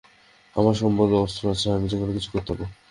আমার সম্পদ ও অস্ত্র আছে, আমি যেকোনো কিছুই করতে পারবো।